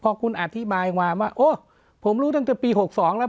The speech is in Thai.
พอคุณอธิบายความว่าโอ้ผมรู้ตั้งแต่ปี๖๒แล้ว